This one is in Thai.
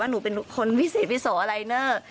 ว่าหนูเป็นคนวิสิทธิ์วิโสอะไรเนี่ย